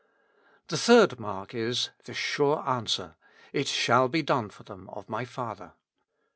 The third mark is, the sure answer: *'It shall be done for them of my Father."